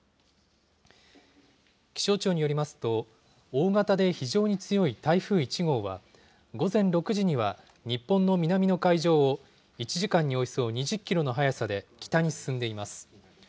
気象庁によりますと、大型で非常に強い台風１号は、午前６時には、日本の南の海上を、１時間におよそ２０キロの速さで北に進んでいます。